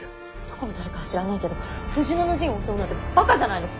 どこの誰かは知らないけど富士野の陣を襲うなんてばかじゃないの。